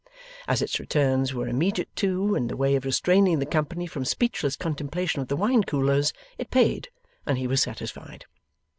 As its returns were immediate, too, in the way of restraining the company from speechless contemplation of the wine coolers, it paid, and he was satisfied.